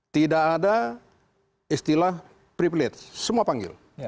tidak ada istilah privilege semua panggil